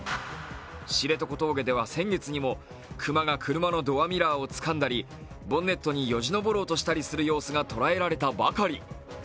知床峠では先月にも熊が車のドアミラーをつかんだりボンネットによじ登ろうとしたりする様子が捉えられたばかり。